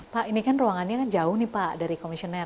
pak ini kan ruangannya kan jauh nih pak dari komisioner